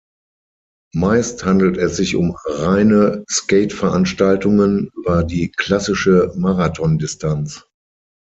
Meist handelt es sich um reine Skate-Veranstaltungen über die "klassische" Marathondistanz.